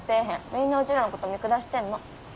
みんなうちらのこと見下してんの。